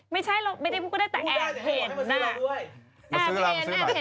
ไม่ใช่หรอกไม่ได้พูดได้แต่แอบเห็นนะพูดได้หรอให้มาซื้อเราด้วย